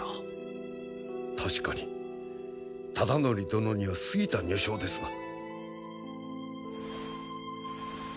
確かに忠度殿には過ぎた女性ですな。